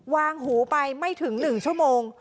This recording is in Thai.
หูไปไม่ถึง๑ชั่วโมง